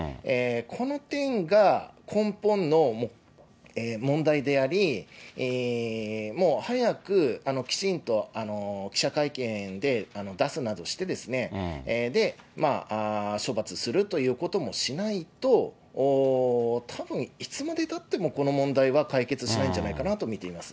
この点が根本の問題であり、早くきちんと記者会見で出すなどしてですね、処罰するということもしないと、たぶんいつまでたってもこの問題は解決しないんじゃないかなと見ています。